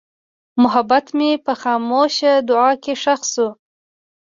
محبت مې په خاموشه دعا کې ښخ شو.